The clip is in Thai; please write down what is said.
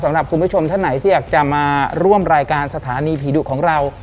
สำหรับคุณผู้ชมท่านไหนที่อยากจะมาร่วมรายการสถานีผีดุของเรา